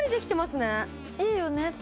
いいよね。